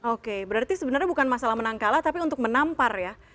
oke berarti sebenarnya bukan masalah menang kalah tapi untuk menampar ya